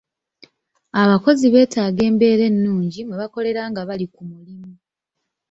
Abakozi beetaaga embeera ennungi mwe bakolera nga bali ku mulimu.